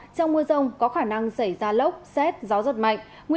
trong mưa rông có khả năng xảy ra lốc xét gió giật mạnh